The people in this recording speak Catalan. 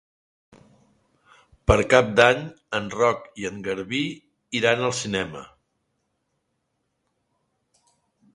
Per Cap d'Any en Roc i en Garbí iran al cinema.